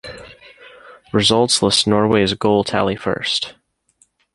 "Results list Norway's goal tally first"